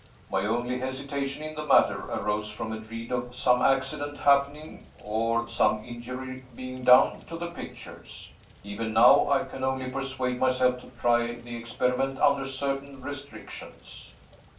My only hesitation in the matter arose from a dread of some accident happening, or some injury being done, to the pictures. Even now, I can only persuade myself to try the experiment under certain restrictions."